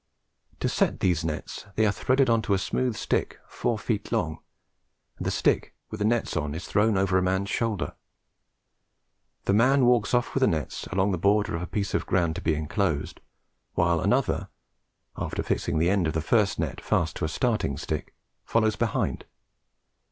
To set these nets, they are threaded on to a smooth stick, four feet long, and the stick with the nets on is thrown over a man's shoulder. The man walks off with the nets along the border of the piece of ground to be enclosed, while another, after fixing the end of the first net fast to a starting stick, follows behind.